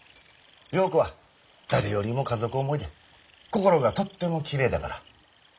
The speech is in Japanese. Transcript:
良子は誰よりも家族思いで心がとってもきれいだから。